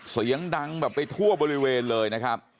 เสียงดังแบบไปทั่วบริเวณเลยนะครับ